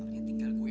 eh jadi gak